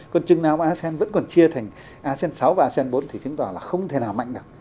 còn chừng nào mà asean vẫn còn chia thành asean sáu và asean bốn thì chứng tỏ là không thể nào mạnh được